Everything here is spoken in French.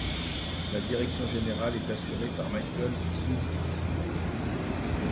La direction générale est assurée par Michael Smithuis.